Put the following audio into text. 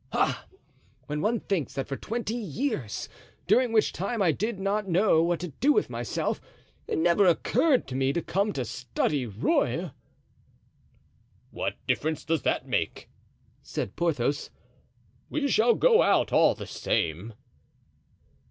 Ah! when one thinks that for twenty years, during which time I did not know what to do with myself, it never occurred to me to come to study Rueil." "What difference does that make?" said Porthos. "We shall go out all the same."